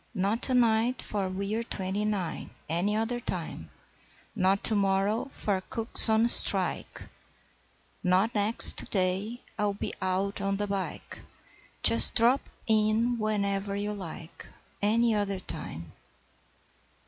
'Not to night, for we're twenty nine Any other time. Not to morrow, for cook's on strike, Not next day, I'll be out on the bike Just drop in whenever you like Any other time!'